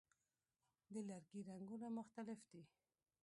د لرګي رنګونه مختلف دي.